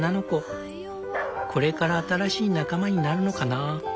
これから新しい仲間になるのかな。